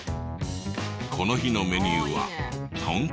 この日のメニューはトンカツ。